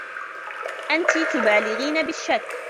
أنتِ تبالغين بالشّك.